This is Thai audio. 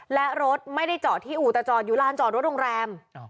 และรถไม่ได้จอดที่อู่แต่จอดอยู่ลานจอดรถโรงแรม